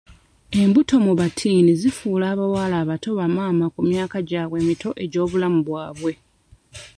Embuto mu battiini zifuula abawala abato ba maama ku myaka gyabwe emito egy'obulamu bwabwe.